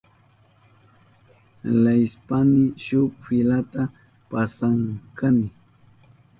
Leyishpayni shuk filata pasashkani.